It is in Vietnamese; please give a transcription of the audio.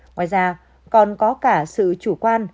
ngoài ra còn có cả sự chủ quan